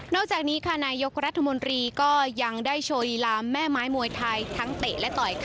นอกจากนี้นายกรัฐมนตรียังได้โชว์อีหลาแม่ไม้มวยไทยทั้งเตะและต่อย